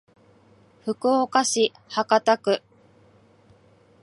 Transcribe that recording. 福岡市博多区